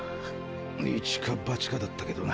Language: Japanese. イチかバチかだったけどな。